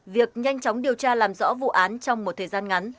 việc nhanh chóng điều tra làm rõ vụ án trong một thời gian ngắn